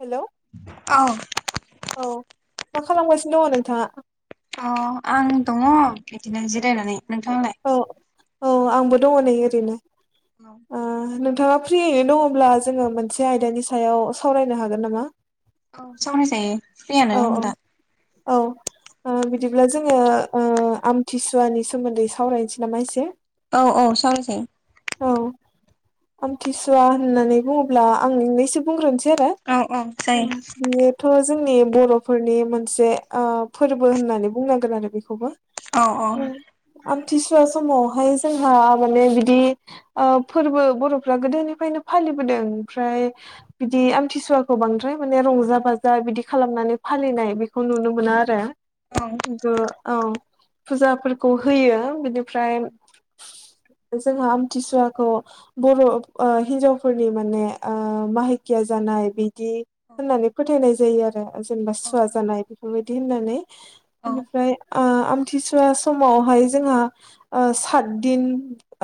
Hello औ औ मा खालामगासिनो दङ नोंथाङा? अ आं दङ बिदिनो जिरायनानै नोंथांलाय? औ औ आंबो दङ नै ओरैनो। औ ओ नोंथाङा फ्रियैनो दङब्ला जोङो मोनसे आयदानि सायाव सावरायनो हागोन नामा? औ सावराय जायो फ्रियानो औ आं दा। औ औ ओ दिब्ला जोङो ओ आमथिसुवानि सोमोन्दै सावरायनसै नामा एसे। औ औ सावरायजायो। औ आमथिसुवा होननानै बुङोब्ला आं मोननैसो बुंग्रोनस [unintelligible] आरो औ औ जायो उम बियोथ' जोंनि बर'फोरनि मोनसे आ फोरबो होननानै बुंनांगोन आरो बेखौबो औ औ आमथिसुवा समावहाय जोंहा माने बिदि ओ फोरबो बर'फ्रा गोदोनिफ्रायनो फा फालिबोदों ओमफ्राय बिदि आमथिसुवाखौ बांद्राय माने रंजा बाजा बिदि खालामनानै फा फालिनाय बेखौ नुनो मोना आरो औ खिनथु औ फुजाफोरखौ होयो बिनिफ्राय जोंहा आमथिसुवाखौ बर' ओ हिनजावफोरनि माने ओ माहिकिया जानाय बि दि होननानै फोथायनाय जायो आरो जेनेबा सुवा जानाय बेफोरबायदि होननानै। औ बि ओ आमथिसुवा सम समावहाय जोंहा ओ सात दिन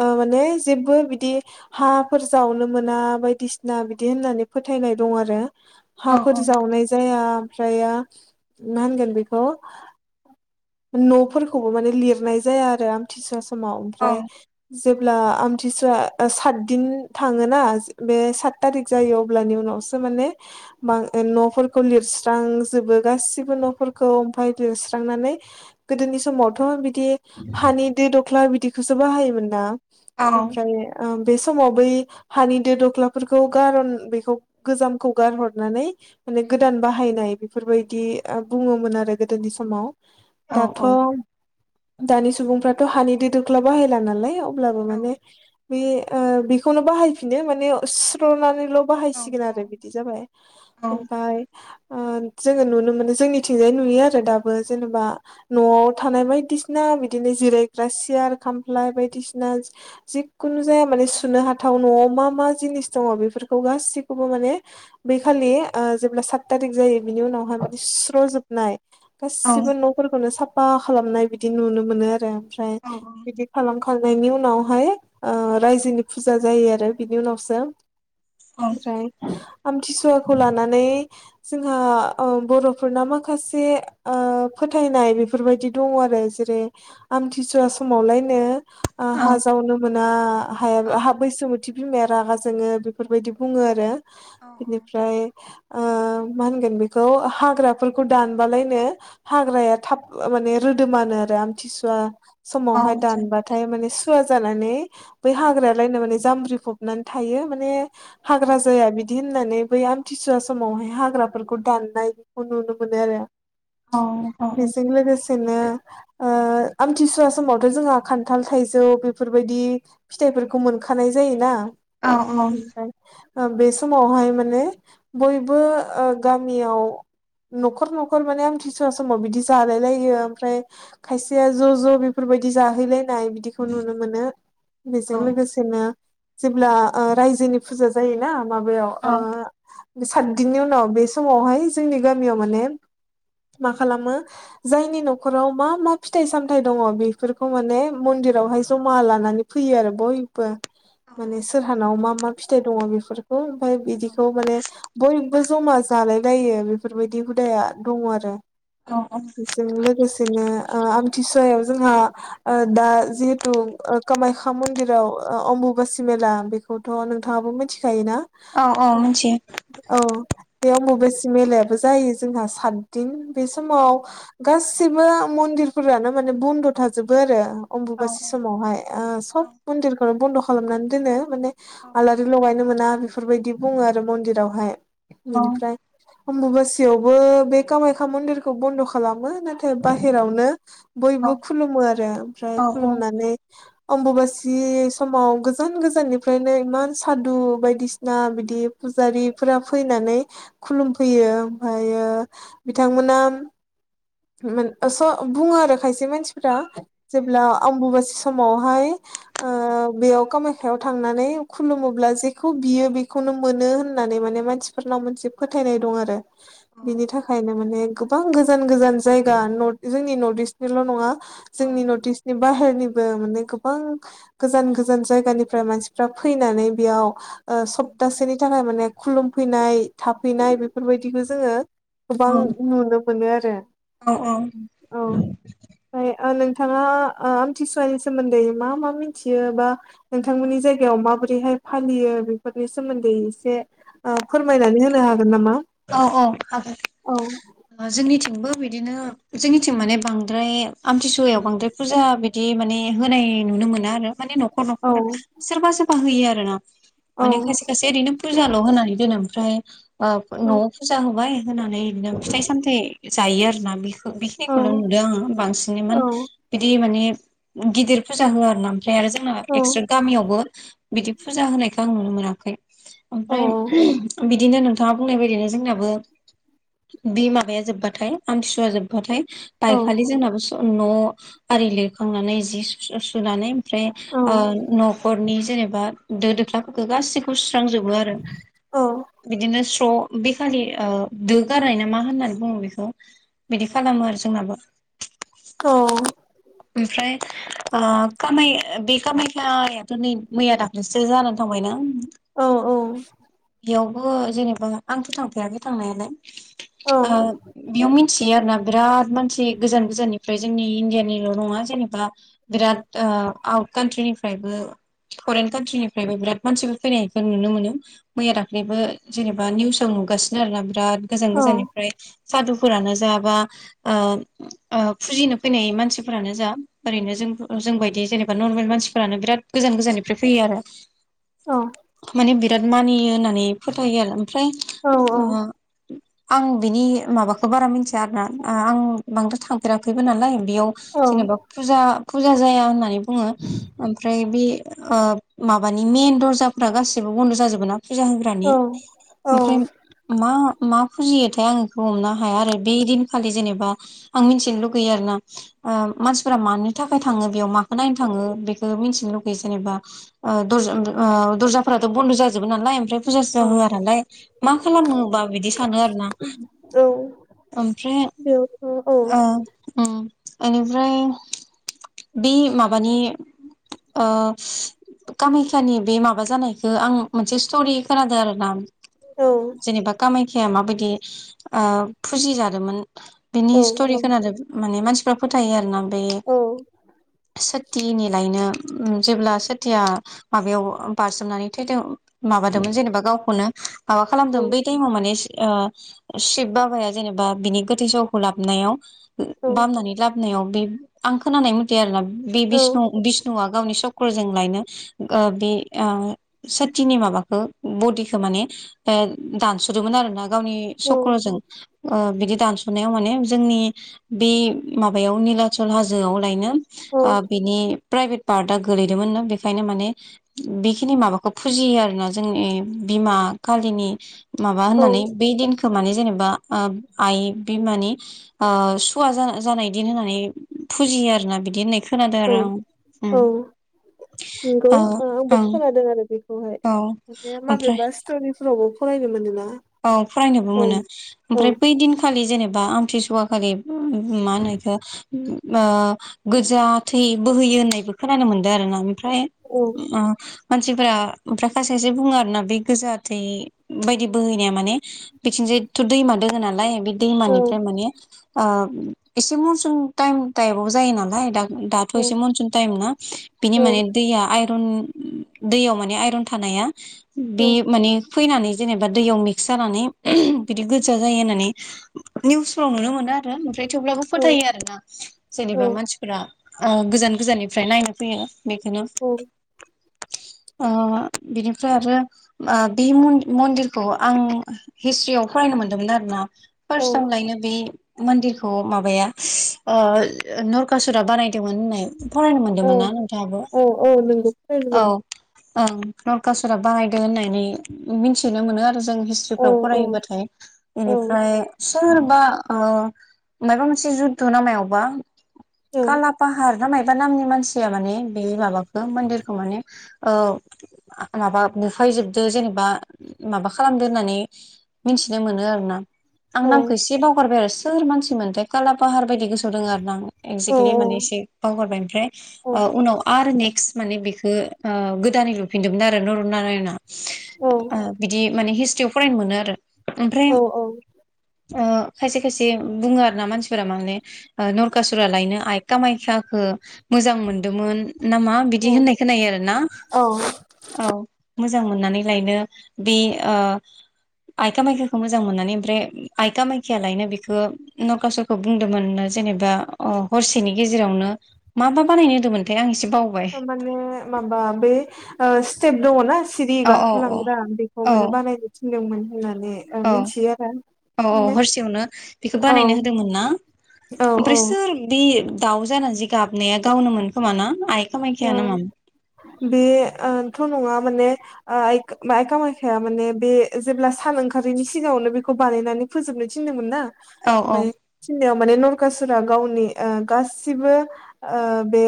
ओ माने जेबो बिदि हा फोर जावनो मोना बायदिसिना बिदि होननानै फोथायनाय दं आरो। औ हाफोर जावनाय जाया ओमफ्राया मा होनगोन बेखौ न'फोरखौबो माने लिरनाय जाया आरो आमथिसुवा समाव औ ओमफ्राय जेब्ला आमथिसुवा सातदिन थाङोना बे सात थारिख जायो अब्लानि उनाव सो माने मा ओ न'फोरखौ लिरस्रांजोबो गासिबो न'फोरखौ ओमफाय लिर सुस्रांनानै गोदोनि समावथ' बिदि हानि दो दख्ला बिदिखौसो बाहायोमोनना औ ओमफ्राय ओ बे समाव बै हानि दो दख्लाफोरखौ गारन बेखौ गोजामखौ गारहरनानै माने गोदान बाहायनाय बेफोरबायदि बुङोमोन आरो गोदोनि समाव। औ औ दाथ' दानि सुबुंफ्राथ' हानि दै दोख्ला बाहायला नालाय अब्लाबो औ औ माने बेखौनो बाहायफिनो सुस्रनानै ल' बाहायसिगोन आरो बिदि जाबाय ओमफ्राय जोङो नुनो मोनो जोंनिथिंजाय नुयो आरो दाबो जेनेबा न'आव थानाय बायदिसिना बिदिनो जिरायग्रा सियार खामफ्लाय बायदिसिना जिखुनु जाया माने सुनो हाथाव न'आव मा मा जिनिस दङ बेफोरखौ गासिखौबो माने बै खालि जेब्ला सात थारिख जायो बिनि उनावहाय माने स्रु'जोबनाय गासिबो न'फोरखौनो साफा खालामनाय बिदि नुनो मोनो आरो ओमफ्राय बिदि खालाम खांनायनि उनावहाय रायजोनि फुजा जायो आरो बिनि उनावसो ओमफ्राय आमथिसुवाखौ लानानै जोंहा बर'फोरना माखासे ओ फोथायनाय बेफोरबायदि दङ आरो जेरै आमथिसरा समावलायनो हा जावनो मोना हा हा बैसोमुथि बिमाया रागा जोङो बेफोरबायदि बुङो आरो बिनिफ्राय मा होनगोन बेखौ हाग्राफोरखौ दानबालायनो हाग्राया थाब माने रोदोमानो आरो आमथिसुवा समावहाय दानबाथाय माने सुवा जानानै बै औ हाग्रालायनो माने जाम्ब्रि फबनानै थायो माने हाग्रा जाया बिदि होननानै बै आमथिसुवा समावहाय हाग्राफोरखौ दान्नायखौ नुनो मोनो आरो बेजों लोगोसेनो ओ आमथिसुवा समावथ' जोंहा खान्थाल थाइजौ बेफोरबायदि फिथाइफोरखौ मोनखानाय जायोना [unintelligible] बे समावहाय माने बयबो गामियाव न'खर न'खर माने आमथि सुवा समाव बिदि जालाय लायो ओमफ्राय खायसेया ज' ज' बेफोरबायदि जाहैला नाय बिदिखौ नुनो मोनो बेजों लोगोसेनो जेब्ला रायजोनि फुजा जायोना माबायाव ओ सातदिननि उनाव बे समावहाय जोंनि गामियाव माने मा खालामो जायनि न'खराव मा मा फिथाइ सामथाइ दङ बेफोरखौ माने मन्दिर फोरावहाय जमा लानानै फैयो आरो बयबो माने सोरहानाव मा मा फिथाइ दङ बेफोरखौ ओमफाय बिदिखौ माने बय बो जमा जालाय लायो बेफोरबायदि हुदाया दङ आरो जों लोगोसेनो आमथिसुवायाव जोंहा दा जिहेथु कामाखया मन्दिराव अम्बुुबासि मेला बे खौथ' नोंथाङाबो मिथिखायोना औ औ बेयाव अम्बुबासि मेलायाबो जायो जोंहा सातदिन बे औ समाव गा सैबो मन्दिरफोरानो माने बन्द थाजोबो आरो औ अम्बुबासि समावहाय सब औ मन्दिरखौनो बन्द' खालामनानै दोनो माने आलारि लगायनो मोना बेफोरबायदि बुङो आरो मन्दिरावहाय औ उम बेनिफ्राय अम्बुबासियावबो बे कामाख्या मन्दिरखौ बन्द' खालामो नाथाय बाहेरावनो बयबो खुलुमो आरो ओमफ्राय औ खुलुमनानै अम्बुबासि समाव गोजान गोजाननिफ्रायनो इमान सादु बायदिसिना बिदि फुजारिफोरा फैनानै खुलुमफैयो ओमफ्रायो बिथांमोना स बुङो आरो खायसे मानसि फ्रा जेबोब्ला आम्बुबासि समावहाय बेयाव कामाख्याआव थांनानै खुलुमोब्ला जेखौ बियो बेखौ नो मोनो होननानै माने मानसिफोरनाव मोनसे फोथायनाय दं आरो बिनि थाखायनो माने गोबां गोजान गोजान जायगा जोंनि नर्थ इस्टनिल' नङा जोंनि नर्थ इस्टनि बाहेरनिबो माने गोबां गोजान गोजान जायगानिफ्राय मानसिफ्रा फैनानै बेयाव सप्तासेनि थाखाय माने खुलुमफैनाय थाफैनाय बेफोरबायदिखौ जोङो गोबां नुनो मोनो आरो औ औ ओमफ्राय नोंथाङा आमथिसुवानि सोमोन्दै मा मा मिथियो बा नोंथांमोननि जायगायाव माबो रैहाय फालियो बेफोरनि सोमोन्दै एसे फोरमायनानै होनो हागोन नामा औ औ औ हागोन जोंनिथिंबो बिदिनो जोंनिथिं माने बांद्राय आमथिसुवायाव बांद्राय फुजा बिदि माने होनाय नु नो मोना आरो माने न'खर औ न'खर सोरबा सोरबा होयो आरोना औ माने खायसे खायसे ओरैनो फुजाल' होनानै दोनो ओमफ्राय ओ औ न'आव फुजा होबाय होनानै बिदिनो फिथाइ सामथायाइ जायो आरोना बेखौ औ बेखिनिखौल' नुदों आङो बांसिनैमोन औ बिदि माने गिदिर फुजा होआ आरो ना ओमफ्राय आरो जोंना औ एक्सट्रा गामियावबो बिदि फुजा होनायखौ आं नुनो मोनाखै औ ओमफ्राय बिदिनो नोंथाङा बुंनाय बायदिनो जोंनाबो बे माबाया जोब्बाथाय आमथिसुवा जोब्बाथाय औ बायखालि जोंनाबो न' आरि लिरखांनानै जि सुनानै ओमफ्राय औ ओ न'खरनि जेनेबा दो दोख्लाफोरखौ गासिखौबो सुस्रां जोबो आरो औ बिदिनो फ्र' बेखालि ओ दोगारनाय ना मा होननानै बुङो बेखौ बिदि खालामो आरो जोंनाबो औ ओमफ्राय ओ कामाय बे कामायखायाथ' नै मैया दाख्लैसो जानानै थां बायना औ बेयावबो जेनेबा आंथ' थांफेराखै थांनायालाय ओ बेयाव मिथियो आरोना बिराद मानसि गोजान गोजाननिफ्राय जोंनि इण्डियानि ल' नङा जेनेबा बिराद ओ आट कान्ट्रिनिफ्रायबो फरेन कान्ट्रिनिफ्रायबो बिराद मानसिबो फैनायखौ नुनो मोनो मैया दाख्लैबो जेनेबा निउसाव नुगासिनो आरो ना बिराद गोजान गोजाननिफ्राय सादुफोरानो जायाबा ओ ओ फुजिनो फैनाय मानसि फोरानो जा ओरैनो जों जोंबायायदि जेनेबा नर्मेल मानसिफोरानो बिराद गोजान गोजाननिफ्राय फैयो आरो [unintelligible] माने बिराद मानियो होननानै फोथायो आरो ओमफ्राय औ ओ आं बिनि माबाखौ बारा मिथिया आरोना आं बांद्राय थांफेराखैबो नालाय बेयाव जेनेबा फुजा फुजा जाया होननानै बुङो ओमफ्राय बे ओ माबानि मइेन दर्जाफोरा गासिबो बन्द' जाजोबो ना फुजा होग्रानि औ ओमफ्राय मा मा फुजियो थाय आं बेखौ हमनो हाया आरो बे दिनखालि जेनेबा आं मिथिनो लुगैयो आरो ना ओ मानसिफोरा मानो थाखाय थाङो बेयाव माखौ नायनो थाङो बेखौ मिथिनो लुगैयो जेनेबा ओ दरजाफ्राथ' बनद जाजोबो नालाय ओमफ्राय फुजा सुजा होआ नालाय मा खालामोबा बिदि सानो आरो ना औ ओमफ्राय बेयाव औ ओ ओम बेनिफ्राय बे माबानि ओ कामाख्याानि बे माबा जानायखौ आं मोनसे स्टरि खोनादों आरोना औ जेनेबा कामाखख्याया माबायदि ओ फुजि जादोंमोन बिनि हिस्ट'रि औ खोनादों माने मानसिफ्रा फोथायो आर ना बे सथिनि लायनो उम जेब्ला सोथिया माबायाव बारजोमनानै थैदों माबादोंमोन जेनेबा गावखौनो माबा खालामदों बै टाइमाव माने ओ शिब बाबाया जेनेबा बिनि गोथै सह'खौ लाबनायाव बामनानै नायाव बे आं खोनानाय मथे आरोना बे बिष्णु बिष्णुआ गावनि स क्रजों लायनो ओ बे ओ सथिनि माबाखौ बदिखौ माने दानस'दोंमोन आरोना गावनि सक्रजों ओ बिदि दानस'नायाव माने जोंनि बे माबायाव निलाचल हाजोआव लायनो ओ बिनि प्राइभेट पार्टआ गोलैदोंमोननो बेखायनो माने बेखिनि माबाखौ फुजियो आरोना जोंनि बिमा खालिनि माबा औ होननानै बे दिनखो माने जेनेबा ओ आइ बिमानि ओ सुवा जाना जानाय दिन होननानै फुजियो आरोना बिदि होननाय खोनादों आरो आं औ ओम औ नंगौ ओ आंबो ओं। खोनादों आरो बेखौहाय औ ओमफ्राय हरावबो फरायनो मोनोना? औ फरायनोबो औ मोनो औ ओमफ्राय बै दिनखालि जेने बा आमथि सुवा‌ खालि मा होनो एखो ओ गोजा थै बोहै यो होननायबो खोनानो मोनदों आरो ना ओमफ्राय औ ओ मानसिफोरा ओमफ्राय खायसे खायसे बुङो आरोना बे गोजा थै बायदि बोहैनाया माने बिथिं जायथ' दैमा दोङो नालाय बे औ दैमानिफ्राय माने ओ एसे मनसुन थाइम टाइपाव जायो नालाय दा दाथ' औ एसे मनसुन टाइम ना बिनि माने औ दैया आइ दैयाव माने आइरन थानाया औ बे माने फैनानै जेने बा दैयाव मिक्स जानानै बिदि गोजा जायो होननानै निउसफ्राव नुनो मोनो आरो ओमफ्राय थेवब्लाबो औ फोथायो आरो ना औ जेनेबा मानसिफोरा ओ गोजान गोजाननिफ्राय नायनो फैयो बेखौनो औ ओ बिनिफ्राय आरो ओ बे मन्दिर खौ आं हिस्ट्रियाव फरायनो मोन्दोंमोन आरोना औ फार्स्टआव लायनो बे मन्दिरखौ माबाया ओ नरकासुरा बानायदोंमोन होननाय फरायनो औ मोनदोंमोन ना नोंथाङाबो औ औ नोंगौ फरायनो मोनदों औ ओं नरकासुरा बानायदों होननानै मोनथिनो मोनो आरो जों औ हिस्ट्रिफ्राव औ फरायोबाथाय औ एनिफ्राय सोरबा ओ मायबा मोनसे जुद्ध नामायावबा औ काला फाहार ना मायबा नामनि मानसिया माने बे माबाखौ मन्दिरखौ माने ओ माबा बुफायजोबदो जेनेबा माबा खालामदो होननानै मोनथिनो मोनो आरो ना आं औ नामखौ एसे बावगारबाय आरो सोर मानसि मोनथाय कालापाहार बायदि गोसो दङ आरोना आं औ एक्जेक्लि माने एसे बावहरबाय ओमफ्राय उनाव आरो ने माने बेखो ओ गोदानै लुफिनदोंमोन आरो नर नारायणआ ओ औ बिदि माने हिस्ट्रियाव फरायनो मोनो आरो ओमफ्राय औ ओ खायसे खायसे बुङो आरो ना मानसिफोरा माने ओ नरखासुरा लायनो आइ कामाख्याखो मोजां मोनदोंमोन नामा बिदि औ होननाय खोनायो आरोना औ औ मोजां मोननानै लायनो बे ओ आइ कामाख्याखौ मोजां मोननानै ओमफ्राय आइ कामाख्या लायनो बेखौ नरकासुरखौ बुंदोंमोननो जेनेबा हरसेनि गेजेरावनो माबा बानायनो होदोंमोनथाय आं एसे बावबाय माने माबा बे ओ स्टेप दङना सिरि औ औ औ गाखोलांग्रा बेखौ औ माने बानायनो थिनदोंमोन। होननानै ओ औ मिथियो आरो औ औ ओमफ्राय हरसेयावनो बेखौ औ बानायनो होदोंमोन ना। औ ओमफ्राय औ सोर बे दाउ जानानै जि गाबनाया गावनो मोनखोमाना आइ ओ कामाख्या ना मामोन बेथ' नङा माने ओ आइ कामाख्याया ‌ माने बे जेब्ला सान ओंखारिनि सिगाङावनो बेखौ बानायनानै फोबनो थिनदोंमोनना औ औ लिंनायाव आमबारि नरखा सुरा गावनि गासिबो बे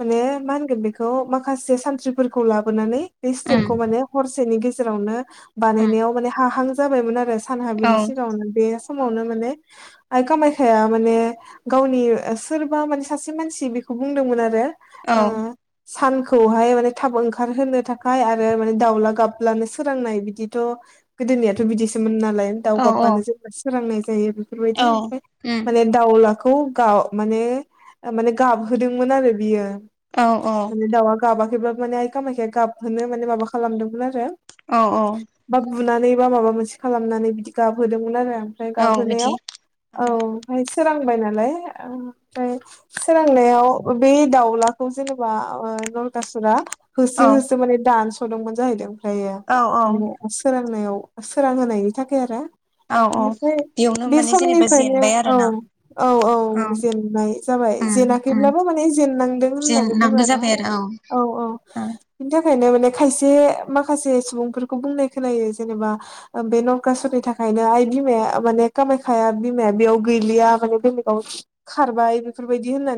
माने मा होनगोन बेखौ माखासे सानथ्रिफोरखौ लाबोनानै बे उम स्टेपखौ माने हरसेनि गेजे रावनो उम बानायनायाव माने हाहां जाबायमोन आरो। सानहा औ बिनि सिगाङावनो बे समावनो माने आइ कामाखखाया माने गावनि सोरबा माने सासे मानसि बेखौ बुंदोंमोन आरो औ ओ सानखौहाय माने थाब ओंखारहोनो थाखाय आरो माने दाउला गाब्लानो सोरांनाय बिदिथ' गोदोनियाथ' बिदिसोमोन ना लाय दाव औ औ गाबबानो जे सोरांनाय जायो बेफोर बायदि औ ओमफ्राय उम माने दावला खौ गाव माने माने गाबहोदोंमोन आरो बियो औ औ माने दाउआ गाबाखैब्लाबो माने आय खामायखाया गाबहोनो माने माबा खालामदोंमोन आरो। औ औ बा बुनानै बा माबा मोनसे खालामनानै बिदि गाबहोदोंमोन आरो। ओमफ्राय औ बिदि गाबहोनायाव औ [unintelligible] सोरांबाय नालाय ओमफ्राय सोरांनायाव बे दाउला खौ जेनेबा ओ नरकासुरा होसो औ होसो माने दानस'दोंमोन जाहैदों। ओमफ्रायो औ माने सोरांनायाव सोरां होनायनि थाखाय आरो औ औ बेनिफ्राय बेयावनो बे माने जेनेबा समनिफ्रायनो जेनबाय आरो औ ना औ औ मोन जेननाय जाबाय जाबाय उम उम जेनाखैब्लाबो माने जेननांदों होननानै बुङो आरो औ ओ बिनि थाखायनो माने खायसे माखासे सुबुंफोरखौ बुंनाय खोनायो जेनेबा बे नरकासुरनि थाखाय ओंखायनो आइ बिमाया माने खामायखाया बिमाया बेयाव गैलिया माने बेलेगाव खारबाय बेफोर बायदि होननानै